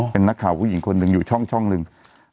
เป็นนักข่าวผู้หญิงคนหนึ่งอยู่ช่องหนึ่ง